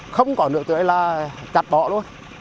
không có nước tưới là chặt bỏ luôn